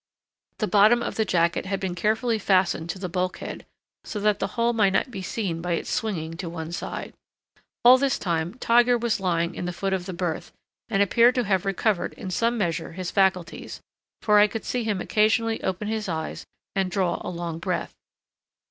The bottom of the jacket had been carefully fastened to the bulkhead, so that the hole might not be seen by its swinging to one side. All this time Tiger was lying in the foot of the berth, and appeared to have recovered in some measure his faculties, for I could see him occasionally open his eyes and draw a long breath.